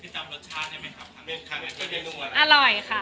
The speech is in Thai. พี่จำรสชาติให้มั้ยครับ